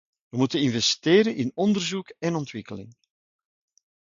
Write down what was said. Wij moeten investeren in onderzoek en ontwikkeling.